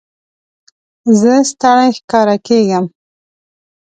زه ستړی ښکاره کېږم.